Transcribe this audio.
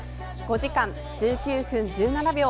５時間１９分１７秒。